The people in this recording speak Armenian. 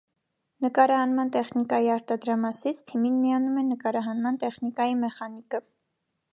Նկարահանման տեխնիկայի արտադրամասից՝ թիմին միանում է նկարահանման տեխնիկայի մեխանիկը։